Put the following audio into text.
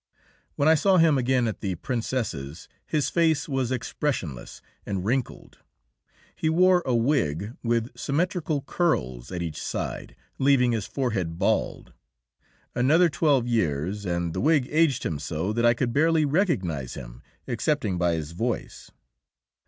When I saw him again at the Princess's his face was expressionless and wrinkled; he wore a wig with symmetrical curls at each side, leaving his forehead bald. Another twelve years and the wig aged him so that I could barely recognise him excepting by his voice.